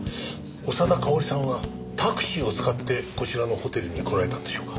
長田かおりさんはタクシーを使ってこちらのホテルに来られたんでしょうか？